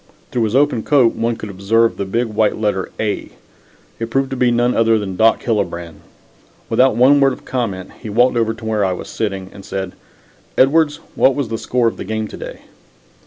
Through his open coat one could observe the big white letter "A." It proved to be none other than Doc Hillebrand. Without one word of comment he walked over to where I was sitting and said: "Edwards, what was the score of the game to day?"